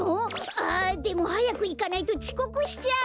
あっでもはやくいかないとちこくしちゃう！